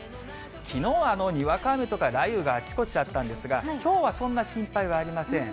きのうはにわか雨とか雷雨があちこちあったんですが、きょうはそんな心配はありません。